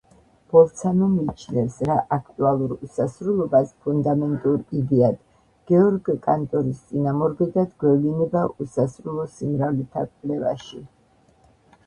ბოლცანო მიიჩნევს რა აქტუალურ უსასრულობას ფუნდამენტურ იდეად გეორგ კანტორის წინამორბედად გვევლინება უსასრულო სიმრავლეთა კვლევაში.